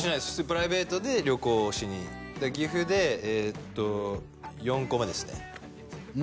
プライベートで旅行をしにで岐阜でえっと４個目ですね